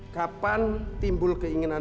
kapan timbul keinginan